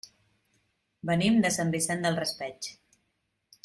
Venim de Sant Vicent del Raspeig.